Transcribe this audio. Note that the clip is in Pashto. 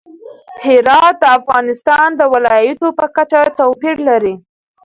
هرات د افغانستان د ولایاتو په کچه توپیر لري.